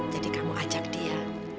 jadi kamu ajak dia